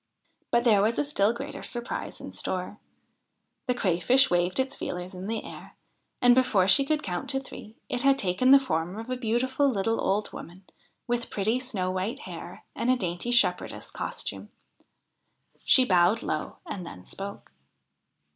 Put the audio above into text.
But there was a still greater surprise in store. The Crayfish waved its feelers in the air, and, before she could count three, it had taken the form of a beautiful little old woman, with pretty snow white hair and a dainty shepherdess costume. She bowed low, and then spoke.